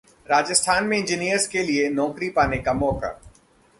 राजस्थान में इंजीनियर्स के लिए नौकरी पाने का मौका